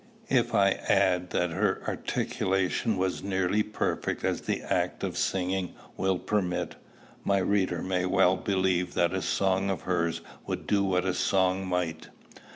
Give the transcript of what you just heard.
If I add that her articulation was as nearly perfect as the act of singing will permit, my reader may well believe that a song of hers would do what a song might.